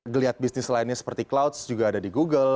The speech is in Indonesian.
geliat bisnis lainnya seperti clouds juga ada di google